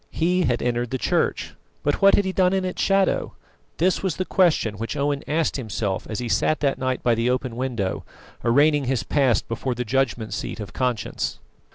He had entered the Church, but what had he done in its shadow? This was the question which Owen asked himself as he sat that night by the open window, arraigning his past before the judgment seat of conscience.